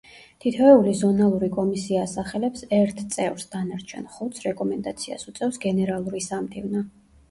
თითოეული ზონალური კომისია ასახელებს ერთ წევრს, დანარჩენ ხუთს რეკომენდაციას უწევს გენერალური სამდივნო.